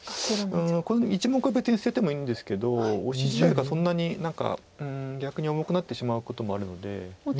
うんこの１目は別に捨ててもいいんですけどオシ自体がそんなに何か逆に重くなってしまうこともあるので。